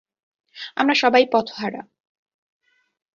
আমরা সবাই পথহারা।